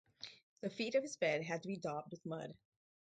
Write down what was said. The feet of his bed had to be daubed with mud.